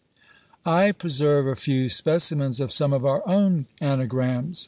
I preserve a few specimens of some of our own anagrams.